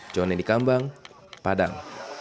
jon nedi kambang padang